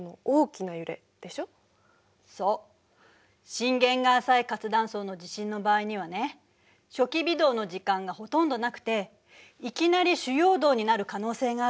震源が浅い活断層の地震の場合にはね初期微動の時間がほとんどなくていきなり主要動になる可能性があるの。